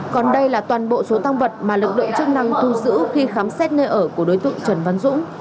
còn đây là toàn bộ số tăng vật mà lực lượng chức năng thu giữ khi khám xét nơi ở của đối tượng trần văn dũng